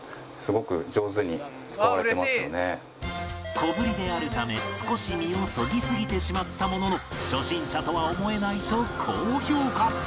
小ぶりであるため少し身をそぎすぎてしまったものの初心者とは思えないと高評価